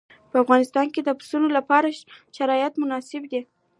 په افغانستان کې د پسونو لپاره طبیعي شرایط مناسب دي.